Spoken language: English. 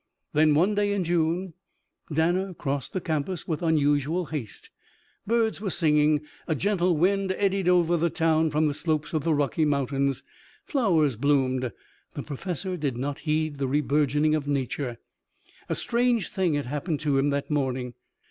Then, one day in June, Danner crossed the campus with unusual haste. Birds were singing, a gentle wind eddied over the town from the slopes of the Rocky Mountains, flowers bloomed. The professor did not heed the reburgeoning of nature. A strange thing had happened to him that morning.